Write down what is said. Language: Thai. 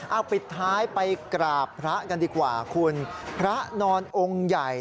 เอาปิดท้ายไปกราบพระกันดีกว่าคุณพระนอนองค์ใหญ่